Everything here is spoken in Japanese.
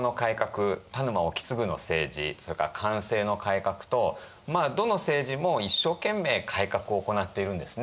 田沼意次の政治それから寛政の改革とまあどの政治も一生懸命改革を行っているんですね。